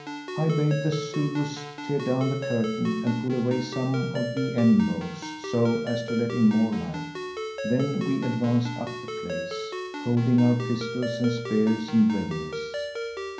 I bade the Zulus tear down the curtain and pull away some of the end boughs, so as to let in more light. Then we advanced up the place, holding our pistols and spears in readiness.